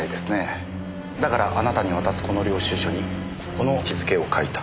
だからあなたに渡すこの領収書にこの日付を書いた。